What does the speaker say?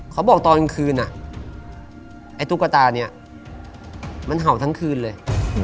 เขาบอกตอนคืนอะไอตุ๊กตานี้มันเห่าทั้งคืนเลย